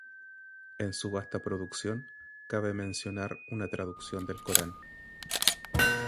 En su vasta producción cabe mencionar una traducción del Corán.